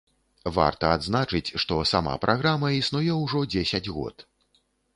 Варта адзначыць, што сама праграма існуе ўжо дзесяць год.